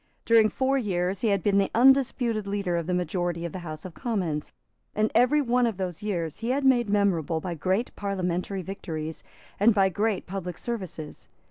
During four years he had been the undisputed leader of the majority of the House of Commons; and every one of those years he had made memorable by great parliamentary victories, and by great public services.